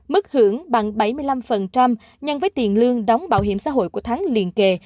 mức hưởng bằng bảy mươi năm nhân với tiền lương đóng bảo hiểm xã hội của tháng liên kề